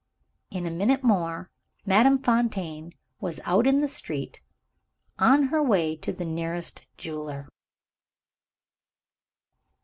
In a minute more, Madame Fontaine was out in the street, on her way to the nearest jeweler.